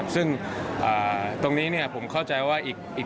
ซึ่งตรงนี้ผมเข้าใจว่าอีก